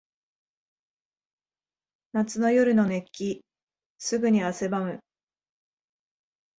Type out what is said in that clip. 夏の夜の熱気。すぐに汗ばむ。